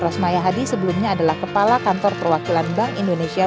rosmaya hadi sebelumnya adalah kepala kantor perwakilan bank indonesia